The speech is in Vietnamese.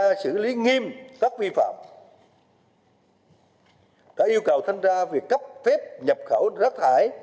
đã xử lý nghiêm các vi phạm đã yêu cầu tham gia việc cấp phép nhập khẩu rác thải